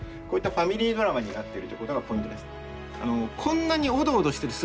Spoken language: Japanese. こういったファミリードラマになってるということがポイントです。